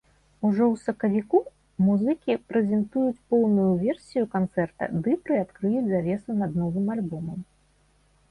Ужо у сакавіку музыкі прэзентуюць поўную версію канцэрта ды прыадкрыюць завесу над новым альбомам.